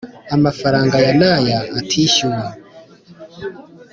amafaranga aya n aya atishyuwe